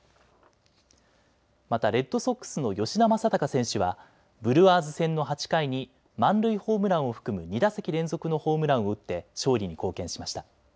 またレッドソックスの吉田正尚選手はブルワーズ戦の８回に満塁ホームランを含む２打席連続のホームランを打って勝利に貢献しました。